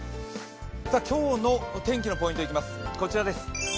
今日の天気のポイントいきます、こちらです。